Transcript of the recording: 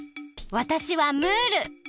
わたしはムール。